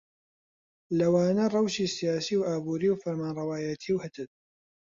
لەوانە ڕەوشی سیاسی و ئابووری و فەرمانڕەوایەتی و هتد